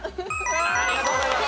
ありがとうございます。